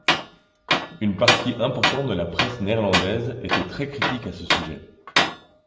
Une partie importante de la presse néerlandaise était très critique à ce sujet.